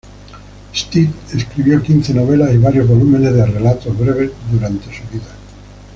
Stead escribió quince novelas y varios volúmenes de relatos breves durante su vida.